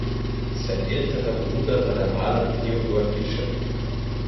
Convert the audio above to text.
Sein älterer Bruder war der Maler Theodor Fischer.